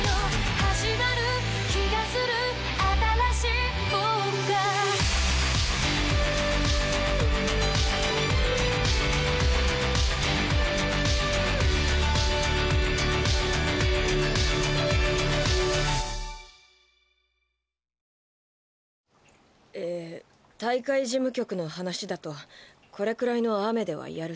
「はじまる気がする」「あたらしい僕が」え大会事務局の話だとこれくらいの雨ではやるそうです。